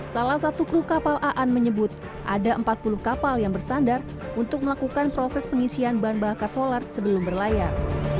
salah satu kru kapal aan menyebut ada empat puluh kapal yang bersandar untuk melakukan proses pengisian bahan bakar solar sebelum berlayar